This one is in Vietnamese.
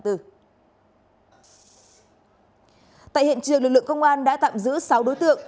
tại hiện trường lực lượng công an đã tạm giữ sáu đối tượng